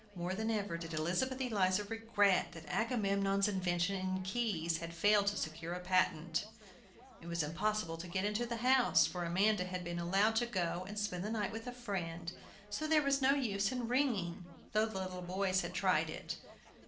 More than ever did Elizabeth Eliza regret that Agamemnon's invention in keys had failed to secure a patent! It was impossible to get into the house, for Amanda had been allowed to go and spend the night with a friend, so there was no use in ringing, though the little boys had tried it.